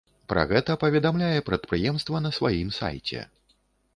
Пра гэта паведамляе прадпрыемства на сваім сайце.